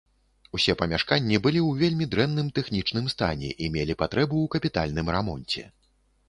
Усе памяшканні былі ў вельмі дрэнным тэхнічным стане і мелі патрэбу ў капітальным рамонце.